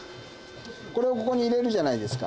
これをここに入れるじゃないですか。